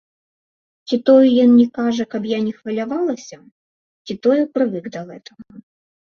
Ці тое ён не кажа, каб я не хвалявалася, ці тое прывык да гэтага.